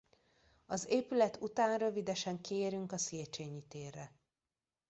Az épület után rövidesen kiérünk a Széchenyi térre.